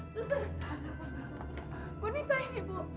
suster ibu nita ini ibu